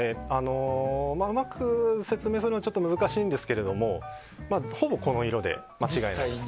うまく説明するのは難しいんですがほぼ、この色で間違いないです。